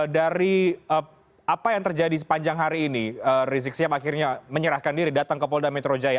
dari apa yang terjadi sepanjang hari ini rizik sihab akhirnya menyerahkan diri datang ke polda metro jaya